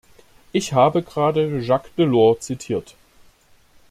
Ich habe gerade Jacques Delors zitiert.